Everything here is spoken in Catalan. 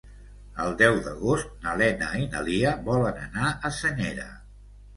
El deu d'agost na Lena i na Lia volen anar a Senyera.